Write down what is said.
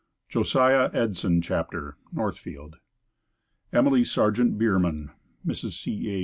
JOSIAH EDSON CHAPTER Northfield EMILY SARGENT BIERMAN (Mrs. C. A.